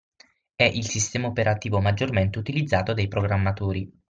È il sistema operativo maggiormente utilizzato dai programmatori.